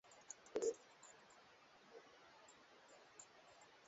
Nataka maneno elfu moja